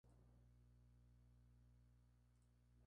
Es entonces cuando descubre su estado actual.